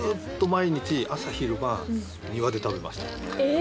え！